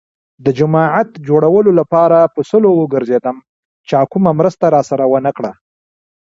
د جماعت جوړولو لپاره په سلو وگرځېدم. چا کومه مرسته راسره ونه کړه.